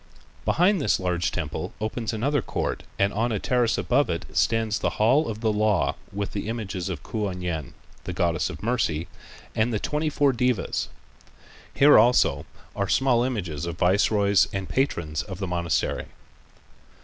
Behind this large temple opens another court and on a terrace above it stands the hall of the Law with the images of Kuan Yin, the goddess of Mercy, and the twenty four devas. Here also are small images of viceroys and patrons of the monastery.